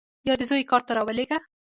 یا دې زوی کار ته راولېږه.